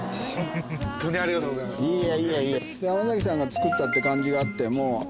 山崎さんが作ったって感じがあってもう。